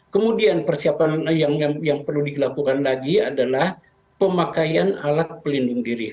kemudian persiapan yang perlu dilakukan lagi adalah pemakaian alat pelindung diri